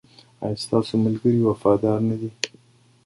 ایا ستاسو ملګري وفادار نه دي؟